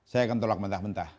saya akan tolak mentah mentah